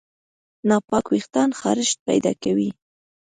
ناپاک وېښتيان خارښت پیدا کوي.